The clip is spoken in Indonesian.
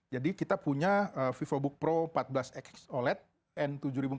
jadi kita punya vivobook pro empat belas x oled n tujuh ribu empat ratus